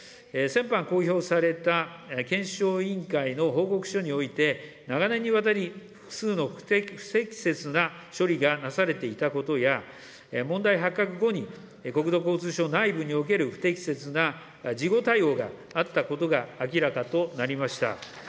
先般、公表された検証委員会の報告書において、長年にわたり、複数の不適切な処理がなされていたことや、問題発覚後に、国土交通省内部における不適切な事後対応があったことが明らかとなりました。